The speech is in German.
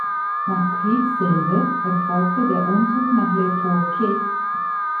Nach Kriegsende erfolgte der Umzug nach Le Touquet.